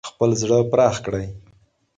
خپل زړه پراخ کړئ.